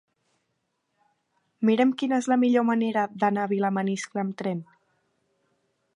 Mira'm quina és la millor manera d'anar a Vilamaniscle amb tren.